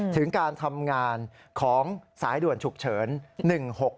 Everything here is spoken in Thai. ถึงการทำงานของสายด่วนฉุกเฉิน๑๖๖